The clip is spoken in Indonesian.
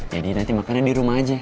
jadi nanti makannya di rumah aja